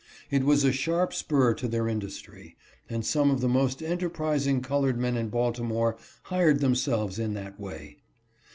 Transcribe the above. It was a sharp spur to their industry ; and some of the most enterprising colored men in Baltimore hired themselves in that way.